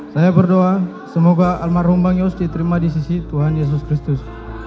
saya berdoa semoga almarhum bang yos diterima di sisi tuhan yesus kristus